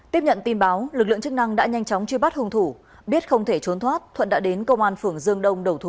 tiếp nhận tin báo lực lượng chức năng đã nhanh chóng truy bắt hung thủ biết không thể trốn thoát thuận đã đến công an phường dương đông đầu thú